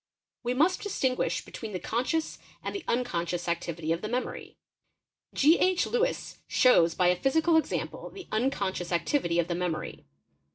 We must distinguish between the conscious and the unconscious activity of the memory. G. H. LEwss shows by a physical example the unconscious activity of the memory.